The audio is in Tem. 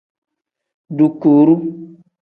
Dukuru.